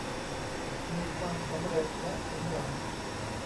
มีความสำเร็จและสมหวัง